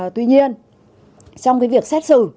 tuy nhiên trong cái việc xét xử